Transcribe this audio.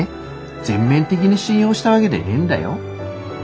全面的に信用したわげでねえんだよ？